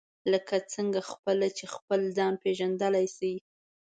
لکه څنګه خپله چې خپل ځان پېژندلای شئ.